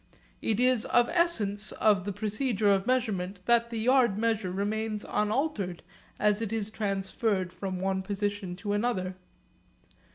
It is of the essence of the procedure of measurement that the yard measure remains unaltered as it is transferred from one position to another.